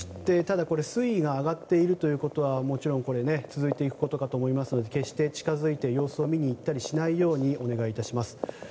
水位が上がっているということはもちろんこれが続いていくことかと思いますので決して近づいて様子を見に行ったりしないようにお願いいたします。